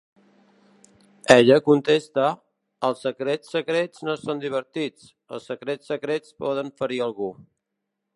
Ella contesta: "Els secrets secrets no són divertits, els secrets secrets poden ferir algú".